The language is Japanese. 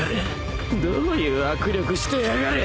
どういう握力してやがる！